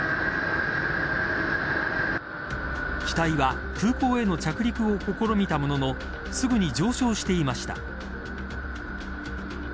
機体は空港への着陸を試みたもののすぐに上昇していました。